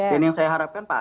dan yang saya harapkan pak